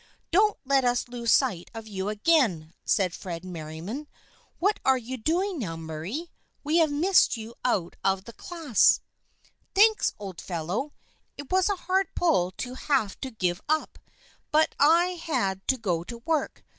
" Don't let us lose sight of you again," said Fred Merriam. "What are you doing now, Murray? We have missed you out of the class." THE FRIENDSHIP OF ANNE 211 " Thanks, old fellow. It was a hard pull to have to give up, but I had to go to work.